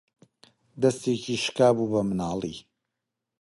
دەستێکی شکا بوو بە مناڵی